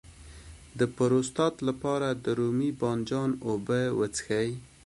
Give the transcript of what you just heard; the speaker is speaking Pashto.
د پروستات لپاره د رومي بانجان اوبه وڅښئ